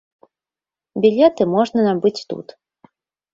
Білеты можна набыць тут.